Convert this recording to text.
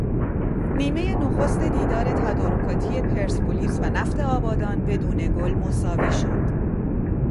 نیمه نخست دیدار تدارکاتی پرسپولیس و نفت آبادان بدون گل مساوی شد